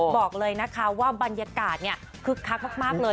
บอกเลยนะคะว่าบรรยากาศคึกคักมากเลย